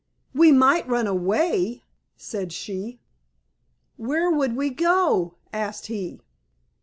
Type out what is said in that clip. "We might run away," said she. "Where would we go?" asked he.